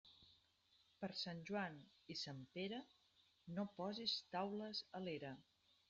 Per Sant Joan i Sant Pere, no posis taules a l'era.